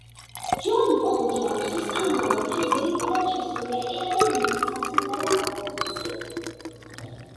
ჯონ პოლ ჯოუნსის ამ ალბომში ძირითადად შესულია პირადად მისი სასიმღერო კომპოზიციები.